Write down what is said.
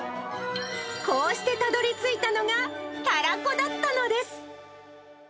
こうしてたどりついたのが、たらこだったのです。